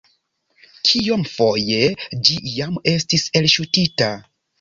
Kiomfoje ĝi jam estis elŝutita?